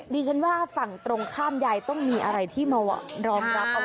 ดิฉันว่าฝั่งตรงข้ามยายต้องมีอะไรที่มารองรับเอาไว้